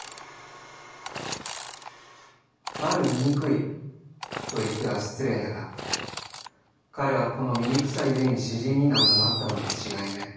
「ある醜い――と言っては失礼だが、彼はこの醜さゆえに詩人になんぞなったのにちがいない。